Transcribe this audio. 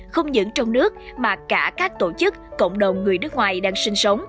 không những trong nước mà cả các tổ chức cộng đồng người nước ngoài đang sinh sống